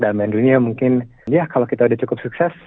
dalam dunia mungkin ya kalau kita cukup sukses